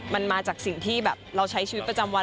มันมาจากสิ่งที่แบบเราใช้ชีวิตประจำวัน